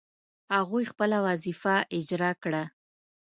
هغوی خپله وظیفه اجرا کړه.